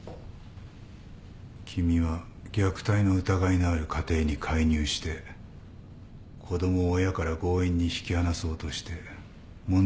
君は虐待の疑いのある家庭に介入して子供を親から強引に引き離そうとして問題になったそうだな。